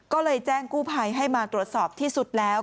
ก็เลยแจ้งกู้ภัยให้มาตรวจสอบที่สุดแล้ว